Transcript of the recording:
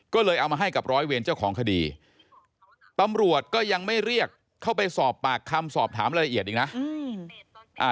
ก็เลยเอามาให้กับร้อยเวรเจ้าของคดีตำรวจก็ยังไม่เรียกเข้าไปสอบปากคำสอบถามรายละเอียดอีกนะ